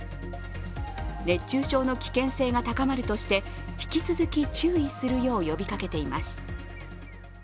熱中症の危険性が高まるとして引き続き注意するよう呼びかけています。